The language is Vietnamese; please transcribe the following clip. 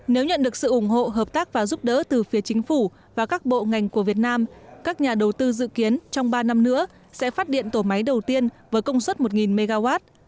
nếu nhận được sự ủng hộ hợp tác và giúp đỡ từ phía chính phủ và các bộ ngành của việt nam các nhà đầu tư dự kiến trong ba năm nữa sẽ phát điện tổ máy đầu tiên với công suất một mw